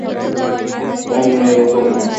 আমি এরকম নই।